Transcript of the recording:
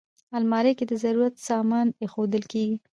الماري کې د ضرورت سامان ایښودل کېږي